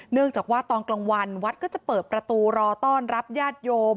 เนื่องจากว่าตอนกลางวันวัดก็จะเปิดประตูรอต้อนรับญาติโยม